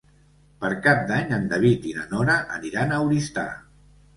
Per Cap d'Any en David i na Nora aniran a Oristà.